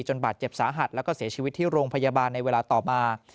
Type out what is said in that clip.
บาดเจ็บสาหัสแล้วก็เสียชีวิตที่โรงพยาบาลในเวลาต่อมา